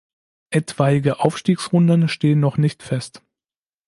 Etwaige Aufstiegsrunden stehen noch nicht fest.